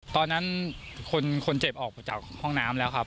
ตอนนั้นคนเจ็บออกมาจากห้องน้ำแล้วครับ